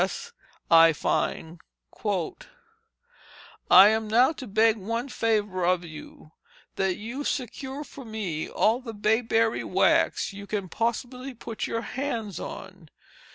S., I find: "I am now to beg one favour of you, that you secure for me all the bayberry wax you can possibly put your hands on.